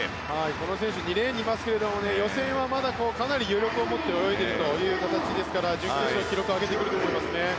この選手２レーンにいますけども予選はまだ、かなり余力を持って泳いでいるという形ですから準決勝は記録を上げてくると思いますね。